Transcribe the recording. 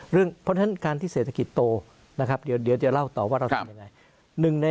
เพราะฉะนั้นการที่เศรษฐกิจโตนะครับเดี๋ยวจะเล่าต่อว่าเราทำยังไง